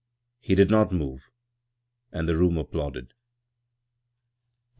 He did not move and the room applauded.